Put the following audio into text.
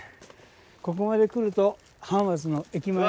ここまで来ると浜松の駅前の。